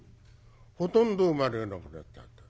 ほとんど生まれなくなっちゃった。